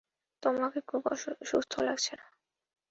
তোমাকে খুব সুস্থ লাগছে না।